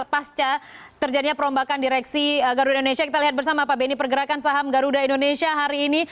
pasca terjadinya perombakan direksi garuda indonesia kita lihat bersama pak beni pergerakan saham garuda indonesia hari ini